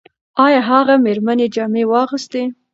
ایا هغه مېرمنې جامې واغوستې؟